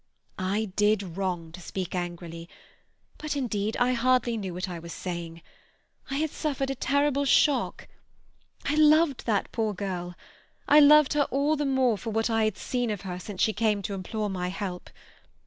"I did wrong to speak angrily, but indeed I hardly knew what I was saying. I had suffered a terrible shock. I loved that poor girl; I loved her all the more for what I had seen of her since she came to implore my help.